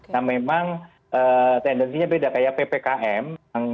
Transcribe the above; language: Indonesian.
nah memang tendensinya beda kayak ppkm